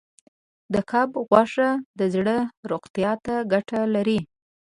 د کب غوښه د زړه روغتیا ته ګټه لري.